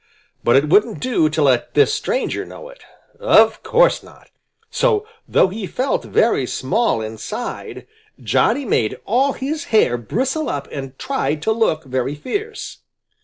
But it wouldn't do to let this stranger know it. Of course not! So, though he felt very small inside, Johnny made all his hair bristle up and tried to look very fierce.